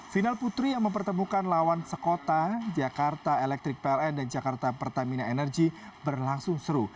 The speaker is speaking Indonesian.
final putri yang mempertemukan lawan sekota jakarta electric pln dan jakarta pertamina energy berlangsung seru